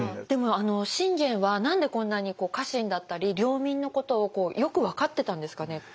でも信玄は何でこんなに家臣だったり領民のことをよく分かってたんですかね？